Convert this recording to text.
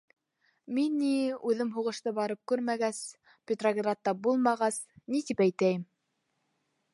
Мин ни, үҙем һуғышты барып күрмәгәс, Петроградта булмағас, ни тип әйтәйем.